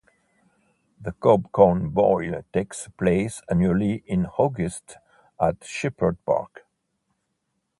The Cobb Corn Boil takes place annually in August at Shepherd Park.